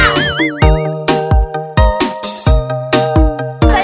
กรุงเทพค่ะ